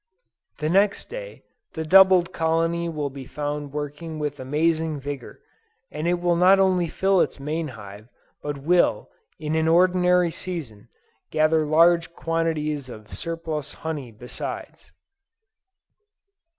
The next day, the doubled colony will be found working with amazing vigor, and it will not only fill its main hive, but will, in any ordinary season, gather large quantities of surplus honey besides.